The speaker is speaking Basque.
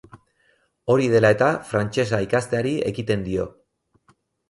Hori dela eta, frantsesa ikasteari ekiten dio.